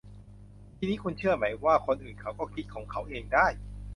ทีนี้คุณเชื่อไหมว่า คนอื่นเขาก็คิดของเขาเองได้